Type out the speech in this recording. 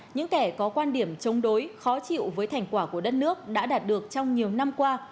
những kẻ có quan điểm chống đối khó chịu với thành quả của đất nước đã đạt được trong nhiều năm qua